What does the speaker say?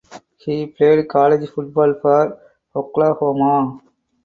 He played college football for Oklahoma.